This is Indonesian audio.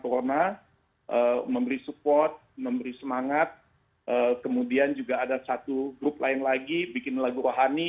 corona memberi support memberi semangat kemudian juga ada satu grup lain lagi bikin lagu rohani